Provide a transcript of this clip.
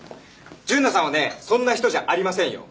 純奈さんはねそんな人じゃありませんよ！